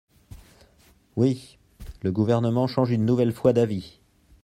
Oui ! Le Gouvernement change une nouvelle fois d’avis.